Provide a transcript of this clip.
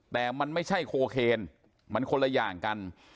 แต่มันไม่ใช่โคเคนมันคนละอย่างกัน